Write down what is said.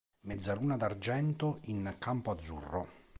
Mezzaluna d'argento in campo azzurro.